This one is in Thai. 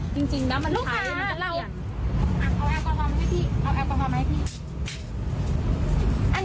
จริงจริงนะลูกค้าเอาแอลกอฮอล์ให้พี่เอาแอลกอฮอล์ให้พี่